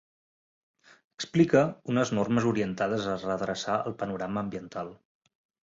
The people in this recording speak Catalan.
Explique unes normes orientades a redreçar el panorama ambiental.